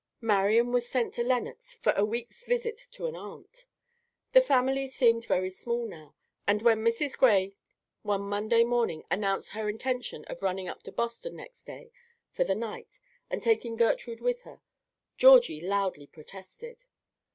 Marian was sent to Lenox for a week's visit to an aunt. The family seemed very small now; and when Mrs. Gray one Monday morning announced her intention of running up to Boston next day for the night and taking Gertrude with her, Georgie loudly protested.